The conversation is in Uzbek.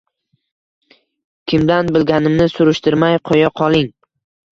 Kimdan bilganimni surishtirmay qo`ya qoling